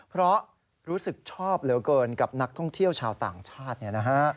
เพราะรู้สึกชอบเหลือเกินกับนักท่องเที่ยวชาวต่างชาติเนี่ยนะฮะ